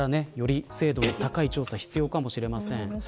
これからより精度の高い調査も必要かもしれません。